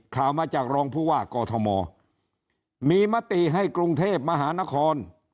ข่าวมาจากรองผู้ว่ากอทมมีมติให้กรุงเทพมหานคร